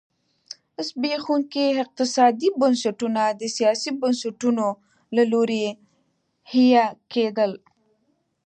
زبېښونکي اقتصادي بنسټونه د سیاسي بنسټونو له لوري حیه کېدل.